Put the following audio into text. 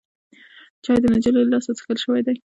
چای د نجلۍ له لاسه څښل شوی دی.